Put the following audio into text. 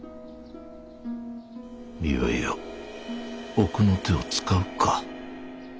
いよいよ奥の手を使うか。